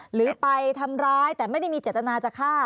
หรือไปทำร้ายแต่ไม่ได้มีเจตนาจะฆ่า